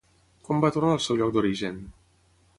Quan va tornar al seu lloc d'origen?